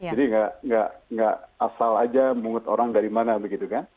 jadi nggak asal aja mungut orang dari mana begitu kan